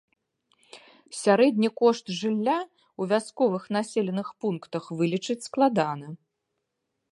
Сярэдні кошт жылля ў вясковых населеных пунктах вылічыць складана.